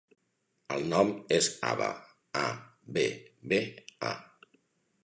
El nom és Abba: a, be, be, a.